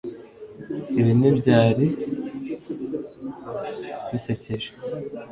Ibi ntibyari bisekeje